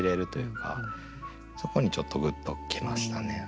そこにちょっとグッときましたね。